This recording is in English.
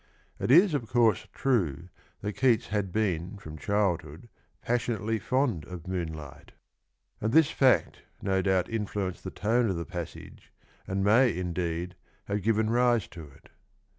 It is, of course, true that Keats had been from childhood ' passionately fond of moonlight,^ and this fact no doubt influenced the tone of the passage, and may, indeed, have given rise to it.